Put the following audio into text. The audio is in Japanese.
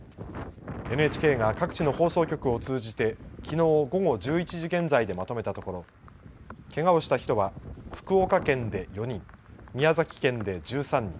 ＮＨＫが各地の放送局を通じて、きのう午後１１時現在でまとめたところ、けがをした人は、福岡県で４人、宮崎県で１３人。